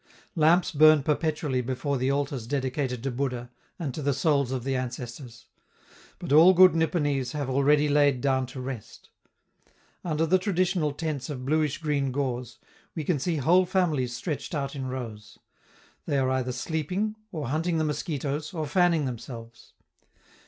Lamps burn perpetually before the altars dedicated to Buddha and to the souls of the ancestors; but all good Nipponese have already lain down to rest. Under the traditional tents of bluish green gauze, we can see whole families stretched out in rows; they are either sleeping, or hunting the mosquitoes, or fanning themselves.